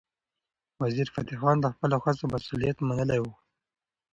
وزیرفتح خان د خپلو هڅو مسؤلیت منلی و.